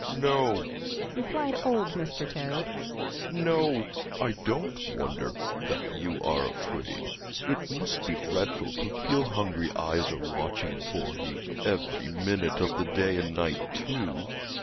"No," replied old Mr. Toad. "No, I don't wonder that you are afraid. It must be dreadful to feel hungry eyes are watching for you every minute of the day and night, too."